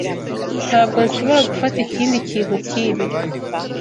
Ntabwo nshobora gufata ikindi kintu cyibi.